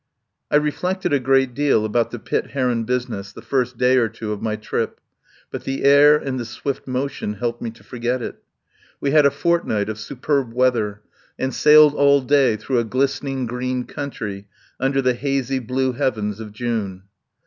I reflected a great deal about the Pitt Heron business the first day or two of my trip, but the air and the swift motion helped me to forget it. We had a fortnight of su perb weather, and sailed all day through a glistening green country under the hazy blue heavens of June.